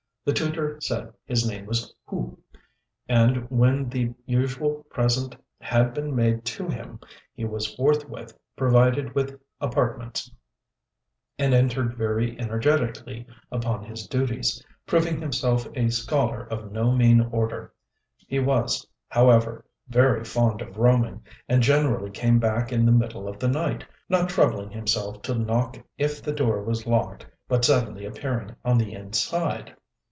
The tutor said his name was Hu; and when the usual present had been made to him, he was forthwith provided with apartments, and entered very energetically upon his duties, proving himself a scholar of no mean order. He was, however, very fond of roaming, and generally came back in the middle of the night, not troubling himself to knock if the door was locked but suddenly appearing on the inside.